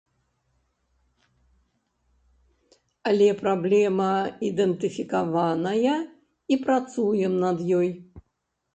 Але праблема ідэнтыфікаваная, і працуем над ёй.